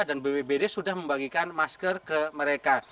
dan bpbd sudah membagikan masker ke mereka